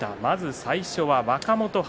最初は若元春。